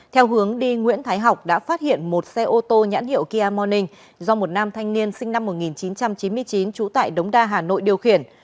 theo hướng đi nguyễn thái học đã phát hiện một xe ô tô nhãn hiệu kia morning do một nam thanh niên sinh năm một nghìn chín trăm chín mươi chín trú tại đống đa hà nội điều khiển